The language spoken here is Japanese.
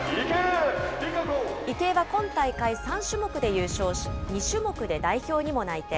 池江は今大会３種目で優勝し、２種目で代表にも内定。